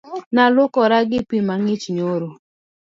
Ne alwuokora gi pii mang’ich nyoro